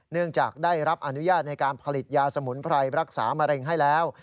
เนื่องจากได้รับอนุญาตในการผลิตยาสมุนไพรรักษามะเร็งให้แล้ว